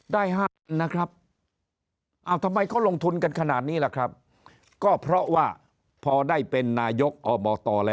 ได้ห้านนะครับอ้าวทำไมเขาลงทุนกันขนาดนี้ล่ะครับ